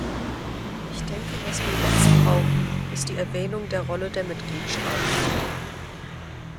Ich denke, was wir jetzt brauchen, ist die Erwähnung der Rolle der Mitgliedstaaten.